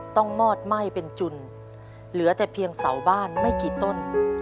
มอดไหม้เป็นจุนเหลือแต่เพียงเสาบ้านไม่กี่ต้น